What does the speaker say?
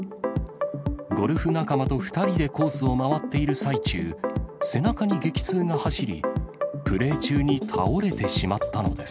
ゴルフ仲間と２人でコースを回っている最中、背中に激痛が走り、プレー中に倒れてしまったのです。